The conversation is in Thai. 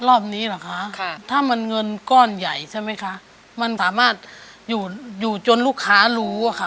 รอบนี้เหรอคะถ้ามันเงินก้อนใหญ่ใช่ไหมคะมันสามารถอยู่อยู่จนลูกค้ารู้อะค่ะ